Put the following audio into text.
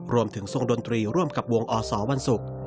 ทรงดนตรีร่วมกับวงอสวันศุกร์